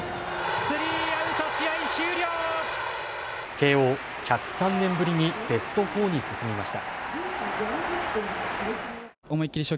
慶応、１０３年ぶりにベスト４に進みました。